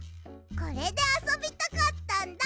これであそびたかったんだ！